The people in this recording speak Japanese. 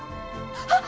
あっ！